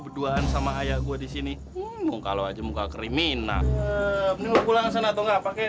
berduaan sama ayah gua di sini mungkalo aja muka krimina pulang sana tuh enggak pakai